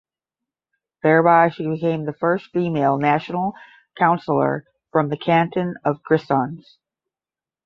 Thereby she became the first female National Councillor from the canton of Grisons.